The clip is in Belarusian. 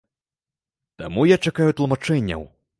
Таму я чакаю тлумачэнняў.